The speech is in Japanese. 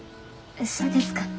そうですか。